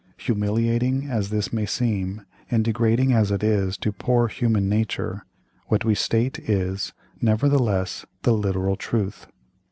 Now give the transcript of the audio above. Humiliating as this may seem, and degrading as it is to poor human nature, what we state is, nevertheless, the literal truth.